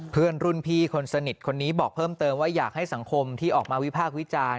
เพื่อนรุ่นพี่คนสนิทคนนี้บอกเพิ่มเติมว่าอยากให้สังคมที่ออกมาวิพากษ์วิจารณ์